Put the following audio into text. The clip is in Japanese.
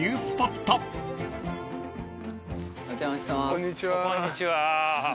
こんにちは。